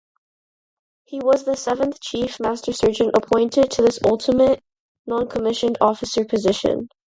He was the seventh chief master sergeant appointed to this ultimate noncommissioned officer position.